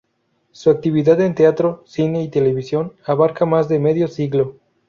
Su actividad en teatro, cine y televisión abarca más de medio siglo.